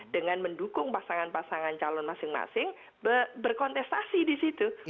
dengan mendukung pasangan pasangan calon masing masing berkontestasi di situ